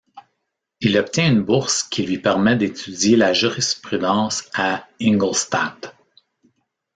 Il obtient une bourse qui lui permet d’étudier la jurisprudence à Ingolstadt.